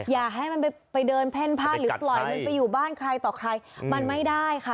อย่าให้มันไปเดินเพ่นผ้าหรือปล่อยมันไปอยู่บ้านใครต่อใครมันไม่ได้ค่ะ